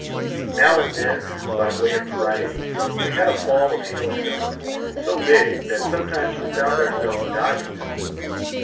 Now and then, by way of variety, we had a fall of hailstones, so big that sometimes we found ourselves dodging them.